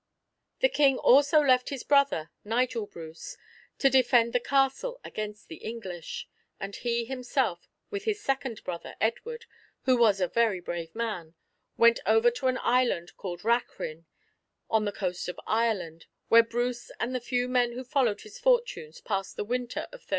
The King also left his brother, Nigel Bruce, to defend the castle against the English; and he himself, with his second brother Edward, who was a very brave man, went over to an island called Rachrin, on the coast of Ireland, where Bruce and the few men who followed his fortunes passed the winter of 1306.